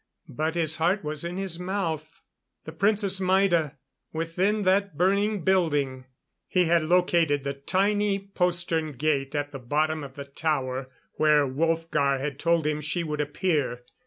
But his heart was in his mouth. The Princess Maida, within that burning building.... He had located the tiny postern gate at the bottom of the tower where Wolfgar had told him she would appear.